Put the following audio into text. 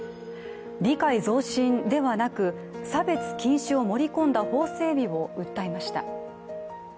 理解増進ではなく、差別禁止を盛り込んだ法整備を訴えました。